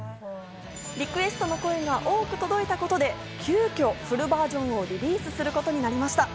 リクエストの声が多く届いたことで急きょフルバージョンをリリースすることになりました。